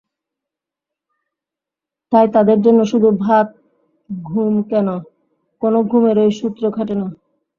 তাই তাঁদের জন্য শুধু ভাত-ঘুম কেন, কোনো ঘুমেরই সূত্র খাটে না।